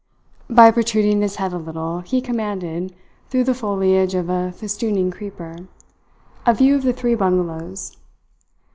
By protruding his head a little he commanded, through the foliage of a festooning creeper, a view of the three bungalows.